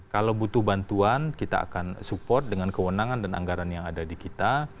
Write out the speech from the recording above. kalau butuh bantuan kita akan support dengan kewenangan dan anggaran yang ada di kita